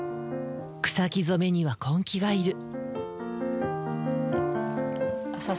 草木染めには根気がいる。